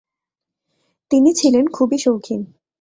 তিনি ছিলেন খুবই শৌখিন।